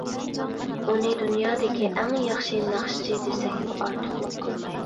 ئۇنى دۇنيادىكى ئەڭ ياخشى ناخشىچى دېسەكمۇ ئارتۇقلۇق قىلمايدۇ.